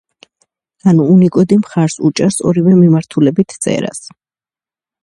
ანუ უნიკოდი მხარს უჭერს ორივე მიმართულებით წერას.